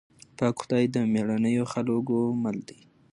پاک خدای د مېړنيو خلکو مل دی.